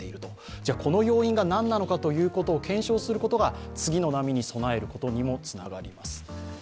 じゃ、この要因が何なのか検証することが次の波に備えることにもつながります。